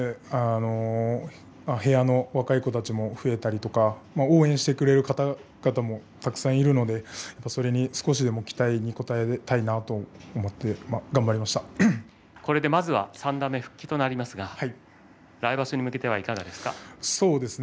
部屋の若い子たちも増えたりとか応援してくれる方々もたくさんいるのでやっぱりそれに少しでも期待に応えたいなと思ってこれで、まずは三段目復帰となりますが、来場所に向けてはいかがですか。